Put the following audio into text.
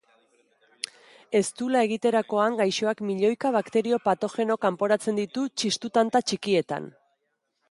Eztula egiterakoan gaixoak milioika bakterio patogeno kanporatzen ditu txistu-tanta txikiekin.